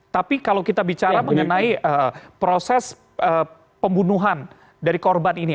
tapi kalau kita bicara mengenai proses pembunuhan dari korban ini